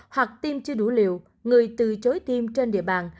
hoặc tiêm chưa đủ liều người từ chối tim trên địa bàn